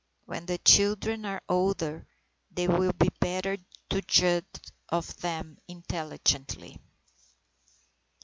When the children are older, they will be better able to judge of them intelligently.